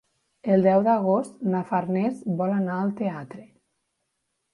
El deu d'agost na Farners vol anar al teatre.